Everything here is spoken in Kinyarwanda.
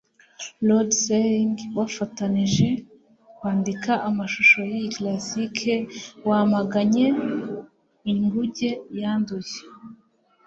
Rod Serling bafatanije kwandika amashusho yiyi classique wamaganye inguge yanduye!